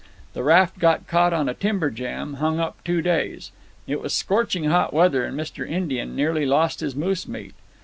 "The raft got caught on a timber jam and hung up two days. It was scorching hot weather, and Mr. Indian nearly lost his moose meat.